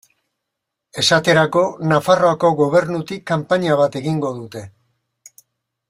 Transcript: Esaterako Nafarroako Gobernutik kanpaina bat egingo dute.